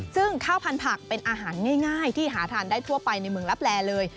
ซึ่งข้าวพันธุ์เป็นอาหารง่ายที่หาทานได้ทั่วไปในเมืองลับแลเลย